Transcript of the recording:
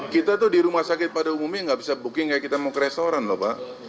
kita tuh di rumah sakit pada umumnya nggak bisa booking kayak kita mau ke restoran loh pak